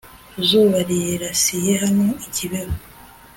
zuba rirasiye hano i kibeho